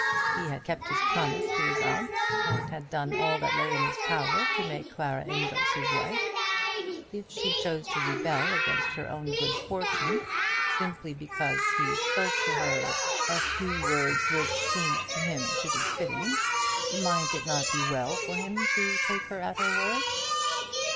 He had kept his promise to his aunt, and had done all that lay in his power to make Clara Amedroz his wife. If she chose to rebel against her own good fortune simply because he spoke to her a few words which seemed to him to be fitting, might it not be well for him to take her at her word?